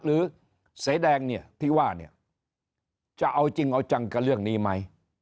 หรือเสแดงเนี่ยที่ว่าเนี่ยจะเอาจริงเอาจังกับเรื่องนี้ไหม